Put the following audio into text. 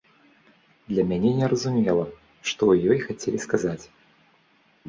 Для мяне незразумела, што ў ёй хацелі сказаць.